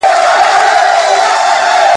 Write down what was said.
ښوونځي کي ماشومانو ته د لوستلو مهارت زده کيږي.